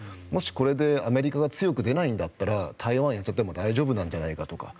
もしこれでアメリカが強く出ないんだったら台湾、やっちゃっても大丈夫なんじゃないかと。